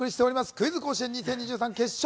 クイズ甲子園２０２３決勝。